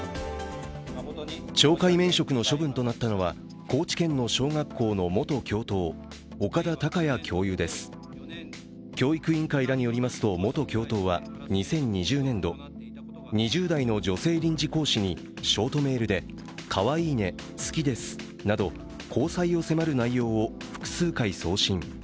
懲戒免職の処分となったのは高知県の小学校の元教頭、岡田隆也教諭です教育委員会らによりますと元教頭は２０２０年度、２０代の女性臨時講師にショートメールで、かわいいね、好きですなど交際を迫る内容を複数回送信。